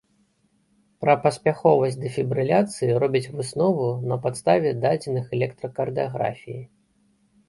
Пра паспяховасць дэфібрыляцыі робяць выснову на падставе дадзеных электракардыяграфіі.